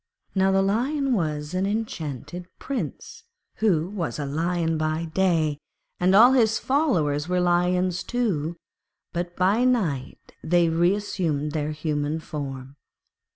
Now the Lion was an enchanted Prince, who was a Lion by day, and all his followers were Lions too; but by night they reassumed their human form.